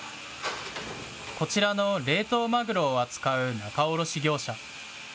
こちらの冷凍マグロを扱う仲卸業者。